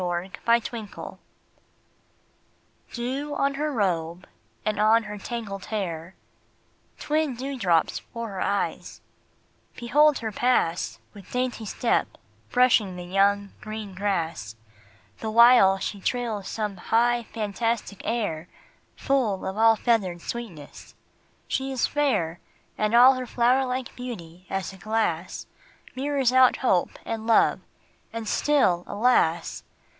MY LADY APRIL Dew on her robe and on her tangled hair; Twin dewdrops for her eyes; behold her pass, With dainty step brushing the young, green grass, The while she trills some high, fantastic air, Full of all feathered sweetness: she is fair, And all her flower like beauty, as a glass, Mirrors out hope and love: and still, alas!